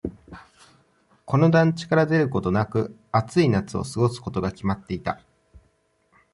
この団地から出ることなく、暑い夏を過ごすことが決まっていた。